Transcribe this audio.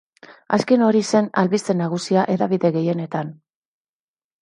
Azken hori zen albiste nagusia hedabide gehienetan.